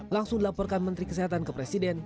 langsung dilaporkan menteri kesehatan ke presiden